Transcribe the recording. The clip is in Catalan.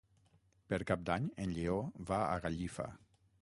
Per Cap d'Any en Lleó va a Gallifa.